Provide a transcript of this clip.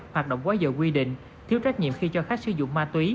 hoạt động quá dậ quy định thiếu trách nhiệm khi cho khách sử dụng ma túy